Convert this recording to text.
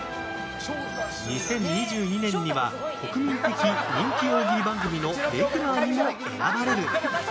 ２０２２年には国民的人気大喜利番組のレギュラーにも選ばれる。